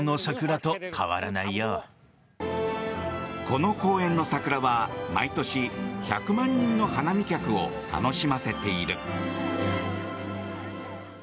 この公園の桜は毎年１００万人の花見客を楽しませている。